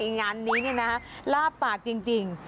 อุ้ยงานนี้นะฮะลาบปากจริง